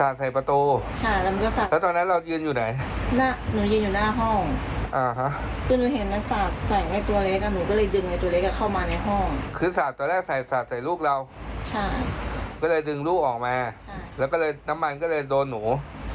ดวงงงมืดน้ำมันก็เลยโดนนู